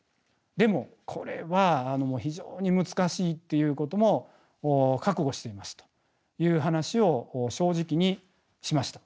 でもこれは非常に難しいっていうことも覚悟していますという話を正直にしました。